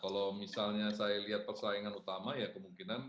kalau misalnya saya lihat persaingan utama ya kemungkinan